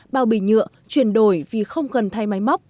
bao bì nhựa chuyển đổi vì không cần thay máy móc